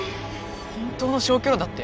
本当の消去炉だって。